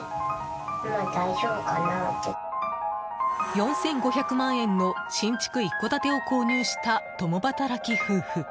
４５００万円の新築一戸建てを購入した共働き夫婦。